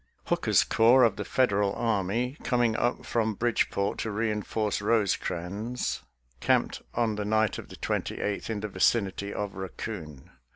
Hooker's corps, of the Federal army, coming up from Bridge port to reinforce Rosecrans, camped on the night of the 28th in the vicinity of Raccoon.